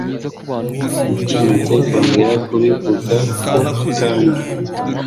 Natinyutse kongera kubivuga ho kandi.